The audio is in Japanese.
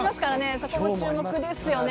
そこも注目ですよね。